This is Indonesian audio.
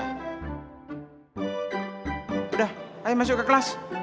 sudah ayo masuk ke kelas